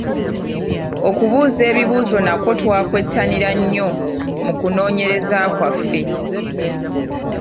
Okubuuza ebibuuzo nakwo twakwettanira nnyo mu kunoonyereza kwaffe.